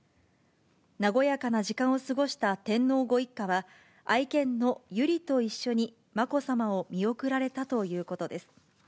和やかな時間を過ごした天皇ご一家は、愛犬の由莉と一緒にまこさまを見送られたということです。